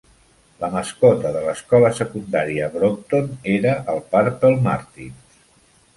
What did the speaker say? La mascota de l'escola secundària Brocton era el "Purple Martins".